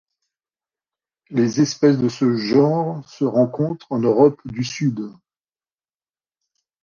Les espèces de ce genre se rencontrent en Europe du Sud.